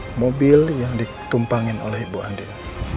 melihat mobil yang ditumpangin oleh ibu andin